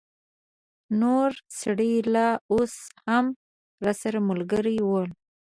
نور سړي لا اوس هم راسره ملګري ول.